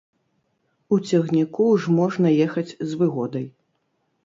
У цягніку ж можна ехаць з выгодай.